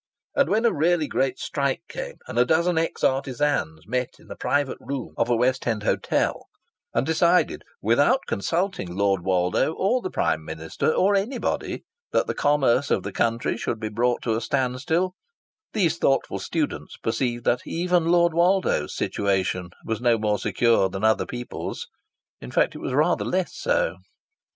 And when a really great strike came, and a dozen ex artisans met in a private room of a West End hotel, and decided, without consulting Lord Woldo or the Prime Minister or anybody, that the commerce of the country should be brought to a standstill, these thoughtful students perceived that even Lord Woldo's situation was no more secure than other people's; in fact that it was rather less so.